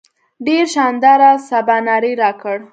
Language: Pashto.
ډېر شانداره سباناری راکړ.